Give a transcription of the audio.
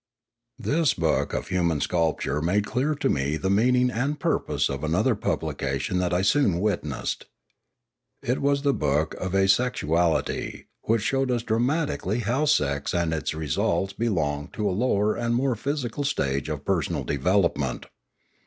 This book of Human Sculpture made clear to me the meaning and purpose of another publication that I soon witnessed. It was the book of Asexuality, which showed us dramatically how sex and its results be longed to a lower and more physical stage of personal development.